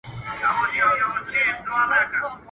o خپل قبر هر چا ته تنگ معلومېږي.